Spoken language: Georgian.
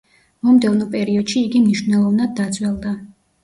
მომდევნო პერიოდში იგი მნიშვნელოვნდა დაძველდა.